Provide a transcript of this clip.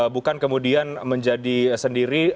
bukan kemudian menjadi sendiri